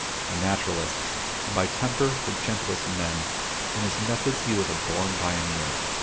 A naturalist, and by temper the gentlest of men, in his methods he was a born pioneer.